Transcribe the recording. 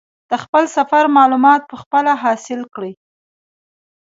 د خپل سفر معلومات په خپله حاصل کړي.